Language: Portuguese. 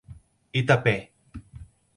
Itapé